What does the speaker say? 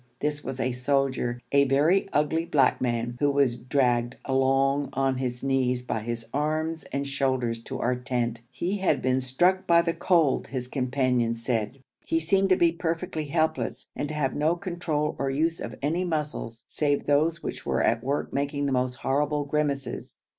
This was a soldier, a very ugly black man, who was dragged along on his knees by his arms and shoulders to our tent. He had been struck by the cold, his companions said. He seemed to be perfectly helpless, and to have no control or use of any muscles save those which were at work making the most horrible grimaces.